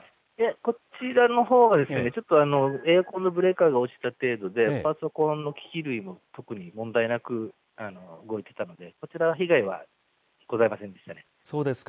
こちらのほうは、ちょっとエアコンのブレーカーが落ちた程度で、パソコンの機器類も特に問題なく、動いてたので、そちらは被害はございませんでしたね。